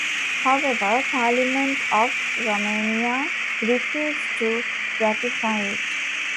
However, Parliament of Romania refused to ratify it.